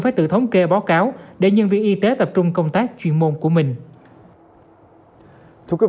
phải tự thống kê báo cáo để nhân viên y tế tập trung công tác chuyên môn của mình